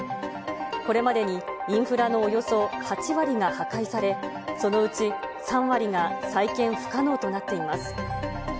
これまでに、インフラのおよそ８割が破壊され、そのうち３割が再建不可能となっています。